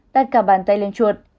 đặt cả bàn tay lên chuột